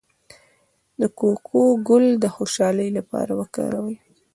د کوکو ګل د خوشحالۍ لپاره وکاروئ